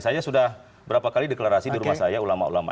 saya sudah berapa kali deklarasi di rumah saya ulama ulama